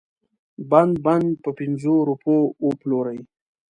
بند بند په پنځو روپو وپلوري.